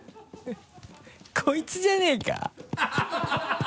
こいつじゃねぇか？